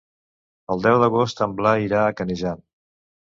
El deu d'agost en Blai irà a Canejan.